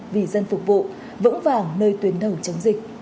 vì dân phục vụ vững vàng nơi tuyển thấu chống dịch